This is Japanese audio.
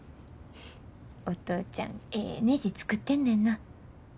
お父ちゃんええねじ作ってんねんな。